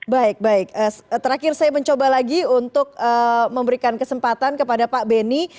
baik baik terakhir saya mencoba lagi untuk memberikan kesempatan kepada pak beni